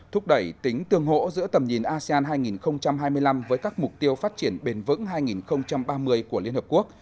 thúc đẩy tính tương hỗ giữa tầm nhìn asean hai nghìn hai mươi năm với các mục tiêu phát triển bền vững hai nghìn ba mươi của liên hợp quốc